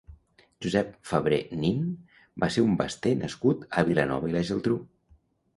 Josep Fabré Nin va ser un baster nascut a Vilanova i la Geltrú.